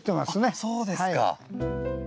あっそうですか。